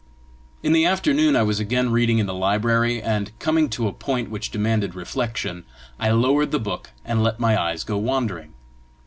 In the afternoon I was again reading in the library, and coming to a point which demanded reflection, I lowered the book and let my eyes go wandering.